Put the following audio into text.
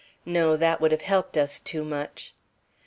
"No, that would have helped us too much."